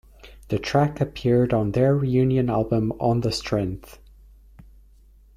The track appeared on their reunion album "On the Strength".